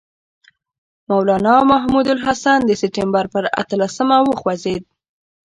مولنا محمود الحسن د سپټمبر پر اتلسمه وخوځېد.